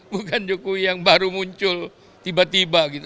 bukan jokowi yang baru muncul tiba tiba gitu